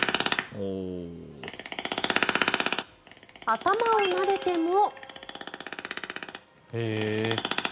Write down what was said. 頭をなでても。